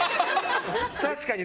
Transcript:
確かに。